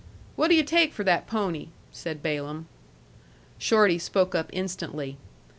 "What'll you take for that pony?" said Balaam. Shorty spoke up instantly.